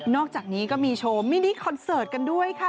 อกจากนี้ก็มีโชว์มินิคอนเสิร์ตกันด้วยค่ะ